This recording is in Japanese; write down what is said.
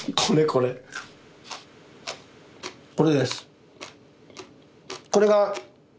これです。